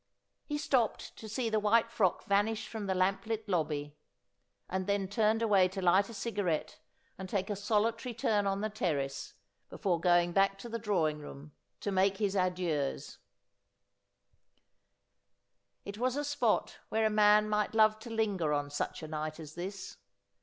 He stopped to see the white frock vanish from the lamp lit lobby, and then turned away to light a cigarette and take a solitary turn on the terrace before going back to the drawing room to make his adieux. It was a spot where a man might love to linger on such a night as this.